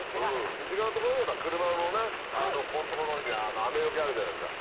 身近なところでいえば車のここんところに雨よけあるじゃないですか。